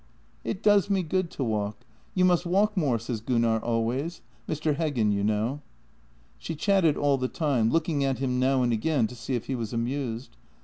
" It does me good to walk. ' You must walk more,' says Gunnar always — Mr. Heggen, you know." She chatted all the time, looking at him now and again to see if he was amused.